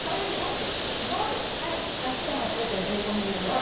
８８００円税込みになります。